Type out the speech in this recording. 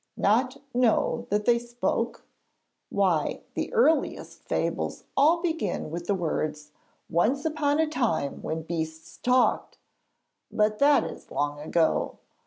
'Not know that they spoke? Why, the earliest fables all begin with the words "Once upon a time when beasts talked," but that is long ago!